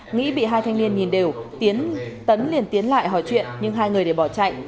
nghĩ bị hai thanh niên nhìn đều tiến tấn liền tiến lại hỏi chuyện nhưng hai người để bỏ chạy